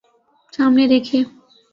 سامنے دیکھئے